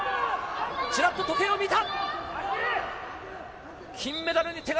ちらっと時計を見た。